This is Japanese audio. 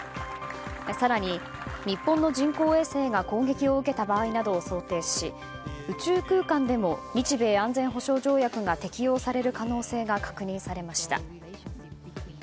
更に日本の人工衛星が攻撃を受けた場合などを想定し宇宙空間でも日米安全保障条約が適用される可能性が確認されました。